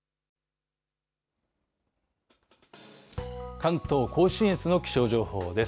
関東甲信越の気象情報です。